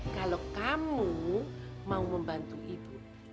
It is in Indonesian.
kalau kamu mau membantu ibu